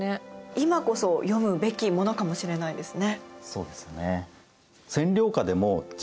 今こそ読むべきものかもしれないですね。